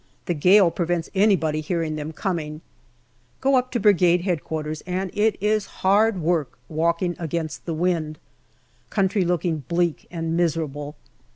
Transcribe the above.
The gale prevents anybody hearing them coming. Go up to Brigade H.Q., and it is hard work walking against the wind. Country looking bleak and miserable.